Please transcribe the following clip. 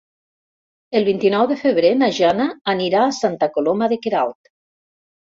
El vint-i-nou de febrer na Jana anirà a Santa Coloma de Queralt.